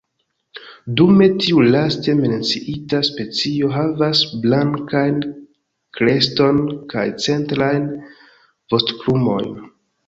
Dume tiu laste menciita specio havas blankajn kreston kaj centrajn vostoplumojn.